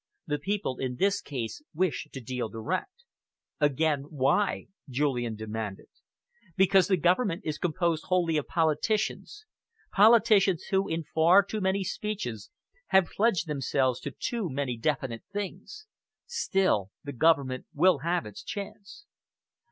The people in this case wish to deal direct." "Again why?" Julian demanded. "Because the Government is composed wholly of politicians, politicians who, in far too many speeches, have pledged themselves to too many definite things. Still, the Government will have its chance."